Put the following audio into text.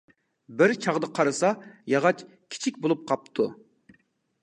بىر چاغدا قارىسا، ياغاچ كىچىك بولۇپ قاپتۇ.